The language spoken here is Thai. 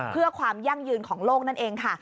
เพื่อความยั่งยืนของโลกนั่นเองค่ะ